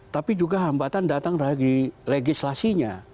tapi juga hambatan datang dari legislasinya